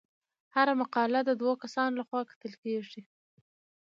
هره مقاله د دوه کسانو لخوا کتل کیږي.